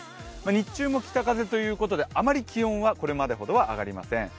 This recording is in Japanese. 日中も北風ということで、あまり気温はこれまでのようには上がりません。